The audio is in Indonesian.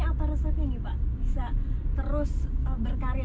apa resepnya nih pak bisa terus berkarya